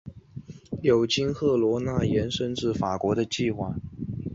有经赫罗纳延伸至法国的计划。